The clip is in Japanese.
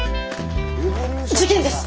事件です！